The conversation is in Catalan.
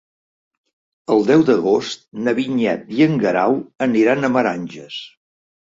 El deu d'agost na Vinyet i en Guerau aniran a Meranges.